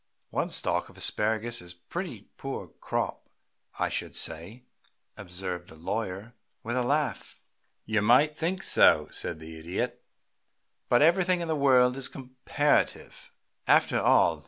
"One stalk of asparagus is a pretty poor crop, I should say," observed the lawyer, with a laugh. "You might think so," said the Idiot. "But everything in the world is comparative, after all.